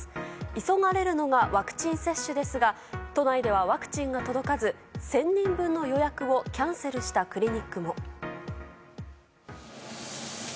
急がれるのがワクチン接種ですが都内ではワクチンが届かず１０００人分の予約をキャンセルしたクリニックも。